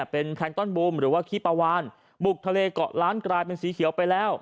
เป็นแพลงต้อนบุมหรือว่าขี้ปลาวานบุกทะเลเกาะล้านกลายเป็นสีเขียวไปแล้ว